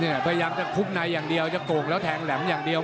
พยายามจะคุกในอย่างเดียวจะโก่งแล้วแทงแหลมอย่างเดียว